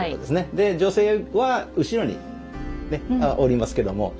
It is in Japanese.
で女性は後ろにおりますけども。